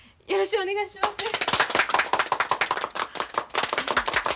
よろしくお願いします。